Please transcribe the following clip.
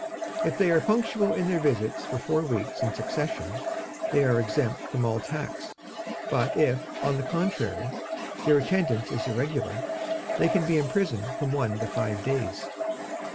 If they are punctual in their visits for four weeks in succession they are exempt from all tax; but if, on the contrary, their attendance is irregular, they can be imprisoned from one to five days.